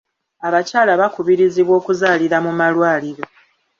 Abakyala bakubirizibwa okuzaalira mu malwaliro.